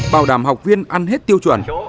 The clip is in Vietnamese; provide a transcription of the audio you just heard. bảo đảm học viên ăn hết tiêu chuẩn